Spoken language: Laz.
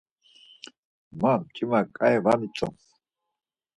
Ma mç̌ima ǩai var mitzons.